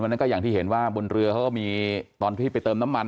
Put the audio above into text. นั้นก็อย่างที่เห็นว่าบนเรือเขาก็มีตอนที่ไปเติมน้ำมัน